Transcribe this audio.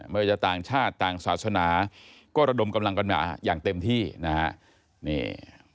ไม่ว่าจะต่างชาติต่างศาสนาก็ระดมกำลังกันมาอย่างเต็มที่นะฮะนี่